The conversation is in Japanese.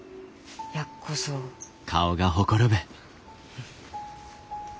うん。